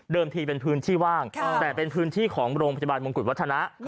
ทีเป็นพื้นที่ว่างแต่เป็นพื้นที่ของโรงพยาบาลมงกุฎวัฒนะ